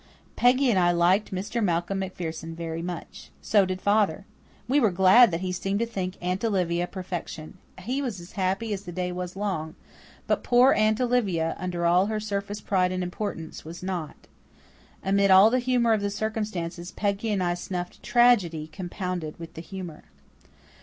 Peggy and I liked Mr. Malcolm MacPherson very much. So did father. We were glad that he seemed to think Aunt Olivia perfection. He was as happy as the day was long; but poor Aunt Olivia, under all her surface pride and importance, was not. Amid all the humour of the circumstances Peggy and I snuffed tragedy compounded with the humour.